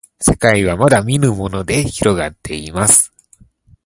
せかいはまだみぬものでひろがっています